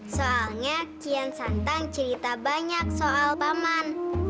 soalnya kian santan cerita banyak soal paman